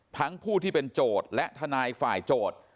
ผู้ที่เป็นโจทย์และทนายฝ่ายโจทย์